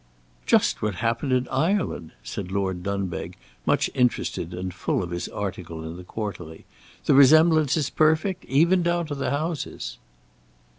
"Just what happened in Ireland!" said Lord Dunbeg, much interested and full of his article in the Quarterly; "the resemblance is perfect, even down to the houses."